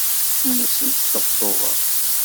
Ur asen-sṭebṭubeɣ.